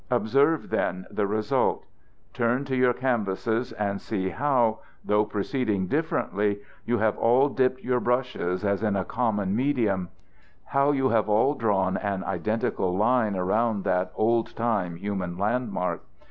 Observe, then, the result. Turn to your canvases and see how, though proceeding differently, you have all dipped your brushes as in a common medium; how you have all drawn an identical line around that old time human landmark.